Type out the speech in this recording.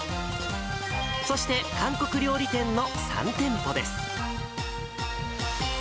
そして韓国料理店の３店舗です。